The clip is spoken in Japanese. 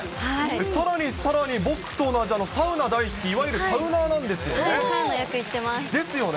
さらにさらに、僕と同じサウナ大好き、いわゆるサウナーなんですよね。